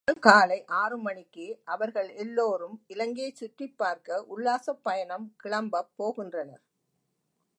மறுநாள் காலை ஆறு மணிக்கே அவர்கள் எல்லோரும் இலங்கையை சுற்றிப்பார்க்க உல்லாசப் பயணம் கிளம்பப் போகின்றனர்.